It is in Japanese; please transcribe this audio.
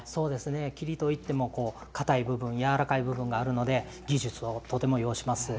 桐といってもかたい部分、やわらかい部分があるので技術はとても要します。